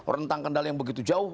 rentang kendala yang begitu jauh